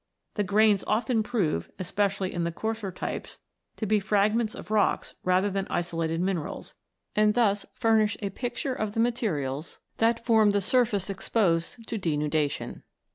The grains often prove, especially in the coarser types, to be fragments of rocks rather than isolated minerals, and thus furnish a picture of the materials that formed the surface exposed to denudation.